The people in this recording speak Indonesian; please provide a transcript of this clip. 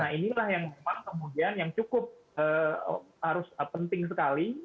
nah inilah yang kemudian yang cukup penting sekali